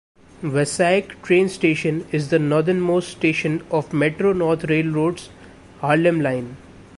Wassaic train station is the northernmost station of Metro-North Railroad's Harlem Line.